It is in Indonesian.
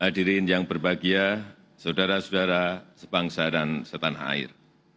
yang saya hormati dan ingin yang berbahagia saudara saudara sebangsa dan setan air